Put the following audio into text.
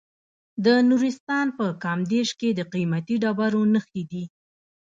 د نورستان په کامدیش کې د قیمتي ډبرو نښې دي.